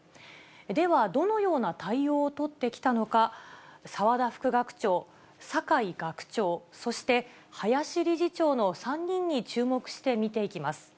ではどのような対応を取ってきたのか、澤田副学長、酒井学長、そして林理事長の３人に注目して見ていきます。